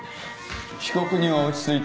被告人は落ち着いて。